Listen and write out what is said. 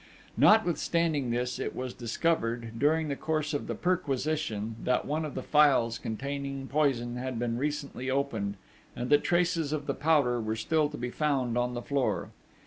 Notwithstanding this, it was discovered, during the course of the perquisition, that one of the phials containing poison had been recently opened, and that traces of the powder were still to be found on the floor.